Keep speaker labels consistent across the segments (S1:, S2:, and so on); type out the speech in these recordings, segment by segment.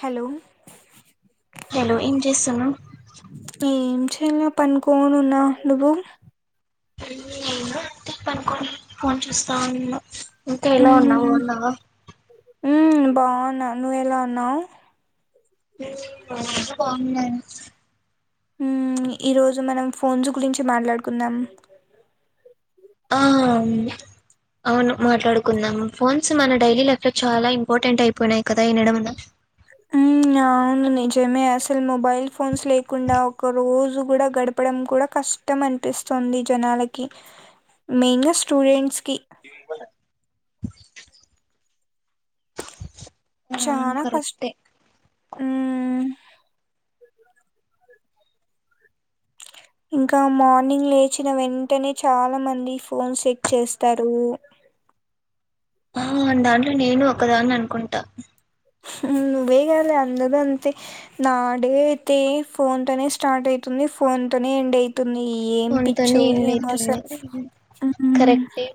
S1: Hello
S2: hello ఏం చేస్తున్నావ్
S1: ఎం చేయలే పనుకోనీ ఉన్నా నువ్వు
S2: పనుకొని ఫోన్ చుస్తా ఉన్నా ఇంకా ఎలా ఉన్నావు బాగున్నావా
S1: ఉమ్ బావున్నా నువ్ ఎలా ఉన్నావ్
S2: ఆ బాగున్నాను
S1: ఊ ఈరోజు మనం ఫోన్స్ గురించి మాట్లాడుకుందాం
S2: ఆ అవును అవును మాట్లాడుకుందాము ఫోన్స్ మన డైలీ లైఫ్ లో చాలా ఇంపార్టెంట్ అయిపోయినాయి కదా వినడం వల్ల
S1: మ్మ్ అవును నిజమే అసలు మొబైల్ ఫోన్స్ లేకుండా ఒక రోజు కూడా గడపడం కూడా కష్ తం అనిపిస్తుంది జనాలకి మెయిన్ గా స్టూడెంట్స్ కి
S2: దేని మల్లే అవును
S1: చానా కష్
S2: కరెక్టే
S1: ఉహ్ ఇంకా మార్నింగ్ లేచిన వెంటనే చాలా మంది ఫోన్స్ చెక్ చేస్తారు
S2: ఆ దాంట్లో నేను ఒక్కదాన్ని అనుకుంటా
S1: హు నువ్వే కాదు అందరూ అంతే నాడే అయితే ఫోన్ తోనే స్టార్ట్ అయితుంది ఫోన్ తోనే ఎండ్ అయి తుంది ఏం
S2: ఫోన్ తోనే
S1: పిచ్చో
S2: ఎండ్
S1: ఏమో
S2: అయితుంది
S1: సర్ ఉహ్
S2: కరెక్టే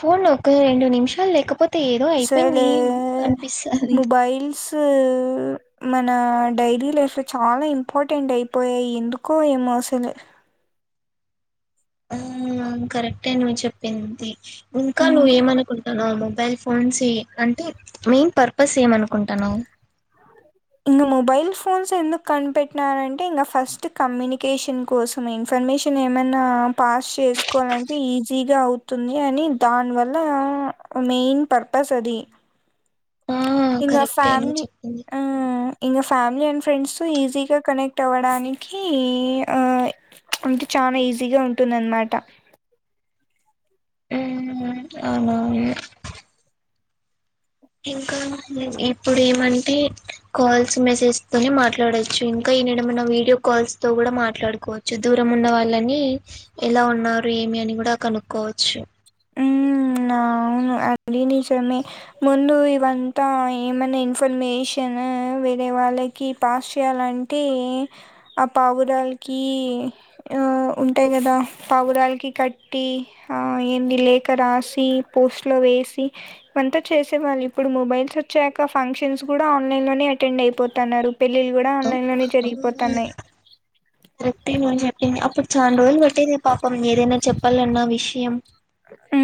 S2: ఫోన్ ఒక రెండు నిమిషాలు లేకపోతే ఏదో అయిపేయింది అనిపిస్తాది
S1: ఫైల్స్ సు మన డైరీ లైఫ్ లో చాలా ఇంపార్టెంట్ అయిపోయాయి ఎందుకో ఏమో అసల్
S2: హు కరెక్టే నువ్వు చెప్పింది ఇంకా
S1: మ్మ్.
S2: నువ్వు ఏమనుకున్ నాను మొబైల్ ఫోన్స్ ఏ అంటే మెయిన్ పర్పస్ ఏమ అనుకుంటన్నావ్
S1: ఇంగా మొబైల్ ఫోన్స్ ఎందుకు కనిపెట్టినారంటే ఇంగా ఫస్ట్ కమ్యూనికేషన్ కోసమే ఇన్ఫర్మేషన్ ఏమైనా పాస్ చేసుకోలంటే ఈజీగా అవుతుంది అని దానివల్ల ఆ మెయిన్ పర్పస్ అది
S2: ఆ
S1: ఇంగా
S2: కరెక్టే నువ్వు
S1: ఫ్యామిలీ
S2: చెప్పింది.
S1: ఆ హు ఇంగా ఫ్యామిలీ అండ్ ఫ్రెండ్స్ ఈజీగా కనెక్ట్ అవ్వడానికి ఆ అంటే చానా ఈజీగా ఉంటుందన్నమాట
S2: హు అవునా ఇంకా ఇప్పుడు ఏమంటే కాల్స్ మెసేజ్ తోనే మాట్లాడో చు ఇంకా ఇనేనామన్నా వీడియో కాల్స్ తో కూడా మాట్లాడుకోవచ్చు దూరం ఉన్న వాళ్ళని ఎలా ఉన్నారు ఏమి అని కూడా కనుక్కోవచ్చు
S1: హ్మ్ అవును అది నిజమే ముందు ఇవంతా ఏమైనా ఇన్ఫర్మేషన్ వేరే వాళ్ళకి పాస్ చేయాలన్ టే ఆ పావురాలకి ఆ ఉంటాయి కదా పావురాలకి కట్టి హా ఏంది లేఖ రాసి పోస్ట్ లో వేసి వంతా చేసే వాళ్ళు ఇప్పుడు మొబైల్స్ వచ్చాక ఫంక్షన్స్ కూడా ఆన్లైన్ లోనే అటెండ్ అయిపోతా న్నారు పెళ్లిళ్లు కూడ్ డా
S2: ఆ!
S1: ఆన్లైన్ లోనే
S2: హ్మ్.
S1: జరిగిపోతాన్నాయి
S2: కరెక్టే నువ్వు చెప్పింది అప్పుడు చాన్ రోజులు పెట్టేది పాపం మీ ఏదైనా చెప్పాలన్న విషయం
S1: హు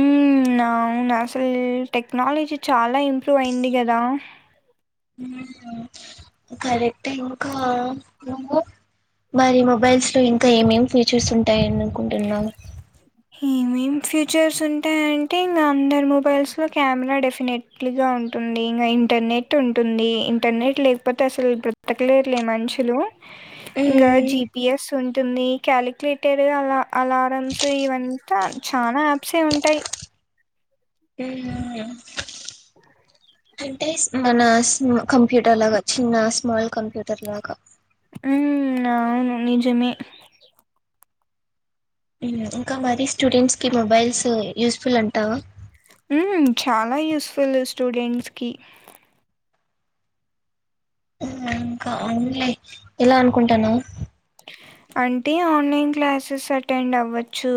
S1: నా అవునసల్ టెక్నాలజీ చాలా ఇంప్రూవ్ అయింది కదా
S2: హు కరెక్ట్ ఇంకా నువ్వు మరి మొబైల్స్ లో ఇంకా ఏమేం ఫీచర్స్ ఉంటాయి అనుకుంటున్నావ్
S1: హే మి ఎం ఫ్యూచర్స్ ఉంటాయంటే ఇంకా అందర్ మొబైల్స్ లో కెమెరా డెఫినెట్గ్ల ఉన్ టుంది ఇంగా ఇంటర్నెట్ ఉంటుంది ఇంటర్నెట్ లేకపోతే అసల్ బ్రతకలేర్లే మనుషులు ఇంగ జిపిఎస్ ఉంటుంది కాలిక్యలేటెర్ అలా అలారమ్స్ ఇవంతా చాలా యాప్సే ఉంటాయి
S2: ఉ హా అంటేస్ మన అస్ కంప్యూటర్ లాగా చిన్న స్మాల్ కంప్యూటర్ లాగా
S1: ఉమ్ అవును నిజమే
S2: హు ఇంకా మరీ స్టూడెంట్స్ కి మొబైల్స్ యూస్ ఫుల్ అంటావా
S1: హుమ్ చాలా యూస్ ఫుల్ స్టూడెంట్స్ కి
S2: హుమ్ ఇంకా అవున్లే ఎలా అనుకుంటున్నావ్
S1: అంటే ఆన్లైన్ క్లాసెస్ అటెండ్ అవ్వచ్చు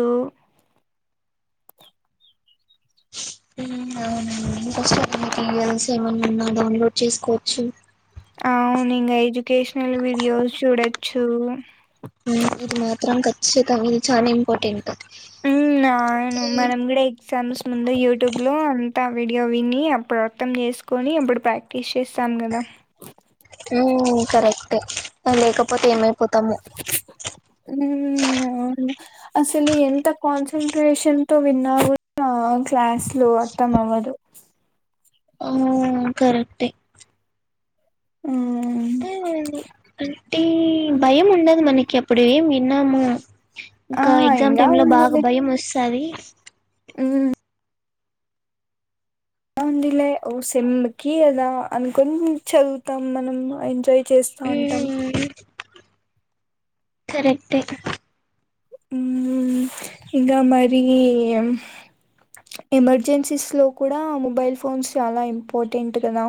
S2: ఉమ్ అవునం ఇక మెటీరియల్స్ ఏమన్నా డౌన్లోడ్ చేసుకోవచ్చు
S1: అవును ఇంకా ఎడ్యుకేషనల్ వీడియోస్ చూడొచ్చు
S2: ఉమ్ ఇది మాత్రం ఖచ్చితంగా ఇది చాలా ఇంపార్టెంట్
S1: ఉమ్ నను మనం కూడా ఎక్కి ఎగ్సామ్స్ ముందు యూట్యూబ్ లో అంతా వీడియో విని అప్పుడు అర్థం చేసుకొని అప్పుడు ప్రాక్టి టీస్ చేస్తాము గాద
S2: ఉమ్ కరెక్టే లేకపోతే ఏమైపోతామో
S1: ఉమ్ అవునులే అసలు ఎంత కాన్సన్ంట్రేషన్ తో విన్నా కూడా అ క్లాస్ లో అర్థం అవ్వదు
S2: ఆవ్ కరెక్టే
S1: ఉమ్
S2: ఆమ్ అంటే భయము ఉండదు మనకి అప్పుడే ఎమ్ విన్నాము
S1: ఆ!
S2: ఇంకా ఎగ్జామ్
S1: ఇంగా
S2: టైమ్ లో బాగా భయం వేస్తది
S1: ఉమ్ చానా ఉందిలే ఓ సెమ్ కి కదా అనుకొని చదువుతాం మనం ఎంజాయ్ చేస్త అంటాం
S2: కరెక్టే
S1: ఉమ్ ఇగ మరి ఎమర్జెన్సీస్ లో కూడా మొబైల్ ఫోన్స్ చాలా ఇంపార్టెంట్ కదా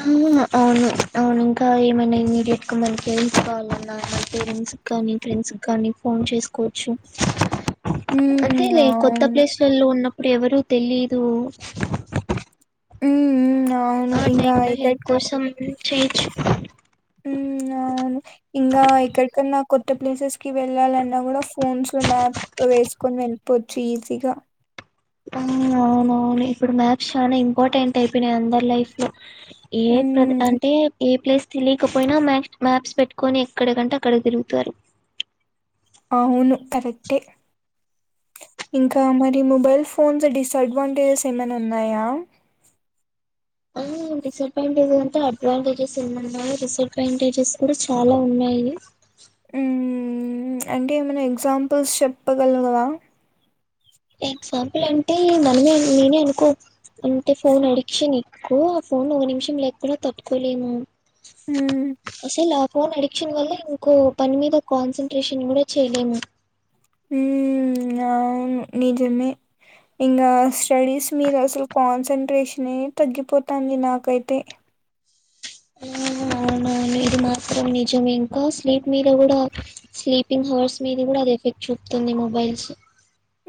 S2: అమ్మ అవును అవును ఇంకా ఏమైనా ఇమీడియట్ గా మనాకి పేరెంట్స్ కావాలన్నా మన పేరెంట్స్ కానీ ఫ్రెండ్స్ కానీ ఫోన్ చేసుకోవచ్చు అంతే
S1: హ్మ్.
S2: లే కొత్త
S1: అవును.
S2: ప్లేస్లలో ఉన్నప్పుడు ఎవరు తెలీదు
S1: ఉమ్ అ
S2: ఆ టైమ్ లో హెల్ప్ కోసం చేయొచ్చు
S1: ఉమ్ అవును ఇంకా ఎక్కడికన్నా కొత్త ప్లేసెస్ కి వెళ్ళాలన్నా కూడా ఫోన్స్ లో మ్యాప్ వేసుకొని వెళ్ళిపోవచ్చు ఈజీగా
S2: అవునవును ఇప్పుడు మ్యాథ్స్ చానా ఇంపార్టెంట్ అయిపోయినాయి అందరు లైఫ్ లో ఏ ప్రద్
S1: హ్మ్.
S2: అంటే ఏ ప్లేస్ తెలియకపోయినా మ్యాక్స్ మ్యాప్స్ పెట్టుకని ఎక్కడకంటే అక్కడ తిరుగుతారు
S1: అవును కరెక్టే ఇంకా మరి మొబైల్ ఫోన్స్ డిస్అడ్వాంటేజెస్ ఏమైనా ఉన్నాయా
S2: అవును డిసడ్వాంటేజెస్ అంతా అడ్వాంటేజెస్ ఎ ఉన్నాయి డిసడ్వాంటేజెస్ కూడా చాలా ఉన్నాయి
S1: ఉమ్ అంటే ఏమైనా ఎగ్జాంపుల్స్ చెప్పగలవా
S2: ఎగ్జాంపుల్ అంటే నన్నె నేనే అనుకో అంటే ఫోన్ అడిక్షన్ ని ఒ ఫోన్ ఒక నిమిషం లేకపోయిన తట్టుకోలేను
S1: ఉమ్
S2: అసలు ఆ ఫోన్ అడిక్షన్ వల్ల ఇంకో పని మీద కాన్సన్ట్రేషన్ కూడా చేయలేము
S1: ఉమ్ అవును నిజమే ఇంకా స్టడీస్ మీద అసలు కాన్సన్ట్రేషనే తగ్గిపోతాంది నాకైతే
S2: అ అవునవును ఇది మాత్రం నిజమే ఇంకా స్లీప్ మీద కూడా స్లీపింగ్ హవర్స్ మీద కూడా అది ఎఫెక్ట్ చూపుతుంది మొబైల్స్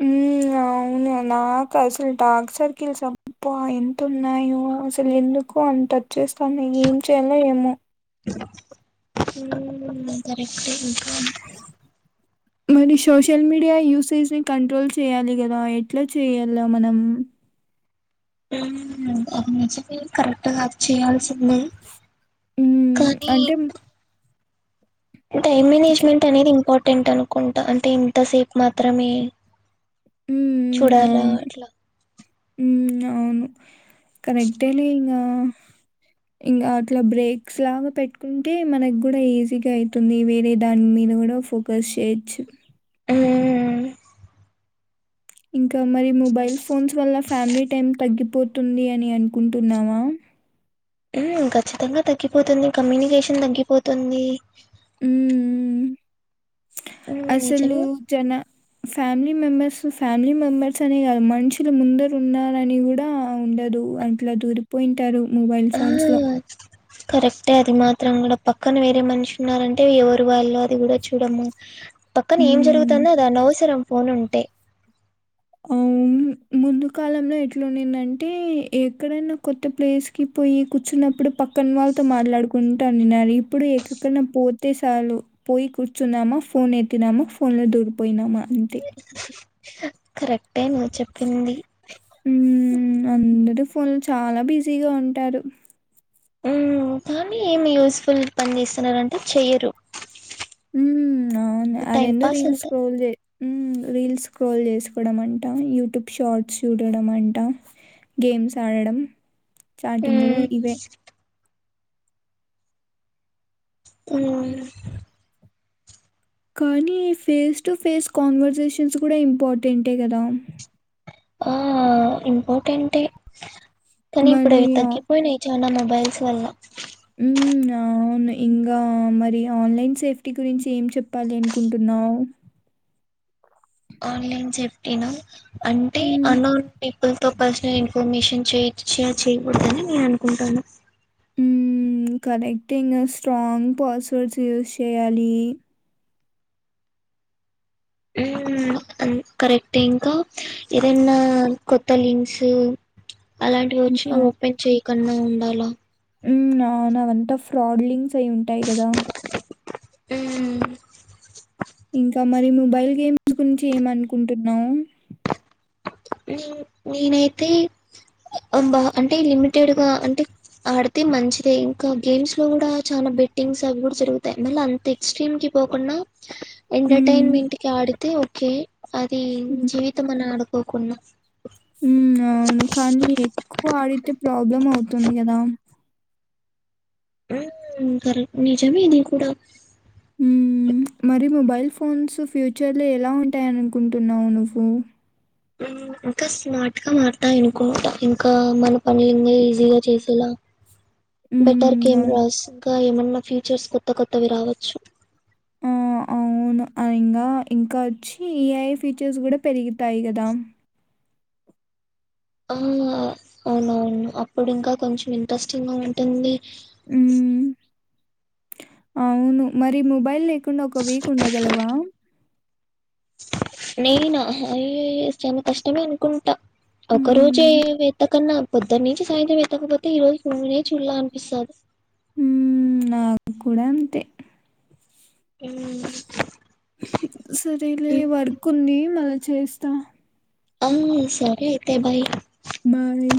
S1: ఉమ్మ్ అవును నాకు అసలు డార్క్ సర్కిల్స్ అబ్బా ఎంతున్నాయో అసలు ఎందుకు అంత వచ్చేస్తున్నయ్ ఏం చేయాలో ఏమో
S2: ఉమ్మ్ కరెక్టే ఇంకా [inaudible]
S1: మరి సోషల్ మీడియా యూసేజ్ ని కంట్రోల్ చేయాలి కదా ఎట్లా చెయ్యల్ల మనం
S2: ఉమ్మ్ అది మర్చిపోయా కరెక్ట్‌గా అది చేయాల్సిందే
S1: ఉమ్మ్
S2: కానీ
S1: అంటే
S2: టైమ్ మేనేజ్మెంట్ అనేది ఇంపార్టెంట్ అనుకుంటా అంటే ఇంతసేపు మాత్రమే
S1: హ్మ్.
S2: చూడాలా
S1: అవును.
S2: అట్లా
S1: హ్మ్. అవును. కరెక్టేలే ఇంగా ఇంగ అట్లా బ్రేక్స్ లాగా పెట్టుకుంటే మనకు కూడా ఈజీగా అయితుంది వేరే దాని మీద కూడా ఫోకస్ చేయొచ్చు
S2: ఉమ్,
S1: ఇంకా మరి మొబైల్ ఫోన్స్ వల్ల ఫ్యామిలీ టైం తగ్గిపోతుంది అని అనుకుంటున్నావా
S2: ఉమ్మ్ ఖచ్చితంగా తగ్గిపోతుంది కమ్యూనికేషన్ తగ్గిపోతుంది
S1: ఉమ్మ్ ఉమ్మ్
S2: ఉమ్,
S1: అసలు
S2: నిజమే
S1: జన ఫ్యామిలీ మెంబెర్స్ ఫ్యామిలీ మెంబెర్స్ అనే కాదు మనుషులు ముందర ఉన్నారని కూడా ఉండదు అ ట్లా దూరిపోయింటారు మొబైల్
S2: ఆ,
S1: ఫోన్స్‌లో
S2: కరెక్టే అది మాత్రం కూడా పక్కన వేరే మనిషి ఉన్నారంటే ఎవరు వాళ్ళు అది కూడా చూడము పక్కన ఏం
S1: హ్మ్.
S2: జరుగుతాందో అది అనవసరం ఫోన్ ఉంటే
S1: అవును ముందు కాలంలో ఎట్లుండిందంటే ఎక్కడైనా కొత్త ప్లేస్‌కి పోయి కూర్చున్నప్పుడు పక్కన వాళ్ళతో మాట్లాడుకుంటా ఉండిన్నారు ఇప్పుడు ఎక్కడికన్నా పోతే సాలు పోయి కూర్చున్నామా ఫోన్ ఎత్తినామా ఫోన్లో దొరిపోయినామా అంతే
S2: కరెక్టే నువ్ చెప్పింది
S1: ఉమ్మ్ అందరూ ఫోన్లో చాలా బిజీగా ఉంటారు
S2: ఉమ్మ్ కానీ ఏమి యూస్ ఫుల్ పని చేస్తున్నారంటే చెయ్యరు
S1: ఉమ్మ్ అవును
S2: టైం
S1: అదేందో
S2: పాస్
S1: రీల్స్
S2: అంతే
S1: స్క్రోల్ చే ఉమ్మ్ రీల్స్ స్క్రోల్ చేసుకోవడం అంట యూట్యూబ్ షార్ట్స్ చూడడం అంట గేమ్స్ ఆడడం చాటింగ్లు ఇవే
S2: ఉమ్ ఉమ్మ్
S1: కానీ ఫేస్ టు ఫేస్ కాన్వర్సేషన్స్ కూడా ఇంపార్టెంటే కదా
S2: ఆ ఇంపార్టెంటే కానీ ఇప్పుడు
S1: మరి
S2: అవి
S1: ఆ
S2: తగ్గి పోయినాయ్ చాన్న మొబైల్స్ వల్ల
S1: ఉమ్మ్ అ అవును ఇంగా మరి ఆన్లైన్ సేఫ్టీ గురించి ఏం చెప్పాలి అనుకుంటున్నావు
S2: ఆన్లైన్ సేఫ్టీనా అంటే
S1: హ్మ్.
S2: అన్నోన్ పీపుల్‌తో పర్సనల్ ఇన్ఫర్మేషన్ చే షేర్ చేయకూడదాని నేను అనుకుంటాన్న
S1: ఉమ్మ్ కరెక్టే ఇంగ స్ట్రాంగ్ పాస్వర్డ్స్ యూస్ చేయాలి
S2: ఉమ్మ్ కరెక్ట్ ఇంకా ఏదనా కొత్త లింక్స్ అలాంటివి వచ్చిన
S1: హ్మ్.
S2: ఓపెన్ చేయకుండా ఉండాలా
S1: ఉమ్మ్ అవును అవంతా ఫ్రాడ్ లింక్స్ అయి ఉంటాయి కదా
S2: ఉమ్మ్
S1: ఇంకా మరి మొబైల్ గేమ్స్ గురించి ఏమనుకుంటున్నావ్
S2: నే నేనైతే అబా అంటే లిమిటెడ్‌గా అంటే ఆడితే మంచిదే ఇంకా గేమ్స్‌లో కూడా చాలా బెట్టింగ్స్ అవి కూడా జరుగుతాయి మళ్ళీ అంతే స్ట్రీమ్‌కి పోకుండా
S1: హ్మ్.
S2: ఎంటర్టైన్మెంట్ కి ఆడితే ఓకే అది
S1: హ్మ్.
S2: జీవితం అని ఆడుకోకుండా
S1: అవును కానీ ఎక్కువ ఆడితే ప్రాబ్లమ్ అవుతుంది కద
S2: నిజమే ఆది కూడ
S1: మరి మొబైల్ ఫోన్స్ ఫ్యూచర్లో ఎలా ఉంటాయ్ అనుకుంటున్నావు నువ్వు
S2: ఉ ఇంకా స్మార్ట్ గా మారతాయినుకుంట ఇంకా మన పని ఇంగ ఈజీగా చేసేలా బెటర్
S1: హ్మ్. అవును.
S2: కెమెరాస్గా ఏమన్నా ఫీచర్స్ కొత్త కొత్తవి రావచ్చు
S1: [unintelligible] ఇంకా ఇంకా వచ్చి ఈఐ ఫీచర్స్ కూడ పెరుగుతాయి కదా
S2: ఆ అవునవును అప్పుడు ఇంక కొంచెం ఇంట్రెస్టింగ్గా ఉంటుంది
S1: ఉ అవును మరి మొబైల్ లేకుండా ఒక వీక్ ఉండ గలవా
S2: నేన అయ్యయ్యో చనా కష్టమే అనుకుంటా ఒక రోజే
S1: హ్మ్.
S2: ఎత్తకన్నా పొద్దున్న నుంచి సాయంత్రం ఎత్తకపోతే ఈ రోజునే చూడాల అనిపిస్తంది
S1: నాకు కూడ అంతే
S2: అ
S1: సరేలే వర్క్ ఉంది మళ్ళ చేస్త
S2: అ సరే అయితే బాయ్
S1: బాయ్.